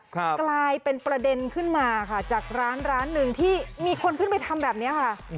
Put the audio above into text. กลายเป็นประเด็นขึ้นมาค่ะจากร้านร้านหนึ่งที่มีคนขึ้นไปทำแบบนี้ค่ะ